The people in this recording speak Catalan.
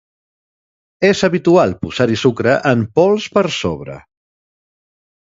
És habitual posar-hi sucre en pols per sobre.